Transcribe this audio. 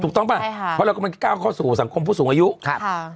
ถูกต้องป่ะใช่ค่ะเพราะเราก็มันกล้าวเข้าสู่สังคมผู้สูงอายุค่ะค่ะ